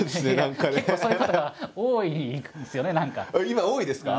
今多いですか？